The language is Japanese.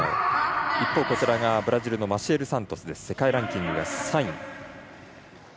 一方、ブラジルのマシエル・サントスは世界ランキングは３位。